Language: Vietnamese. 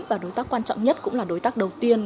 và đối tác quan trọng nhất cũng là đối tác đầu tiên